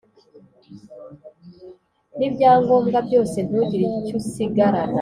nibyangombwa byose ntugire icyusigarana."